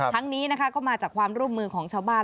ทั้งนี้นะคะก็มาจากความร่วมมือของชาวบ้าน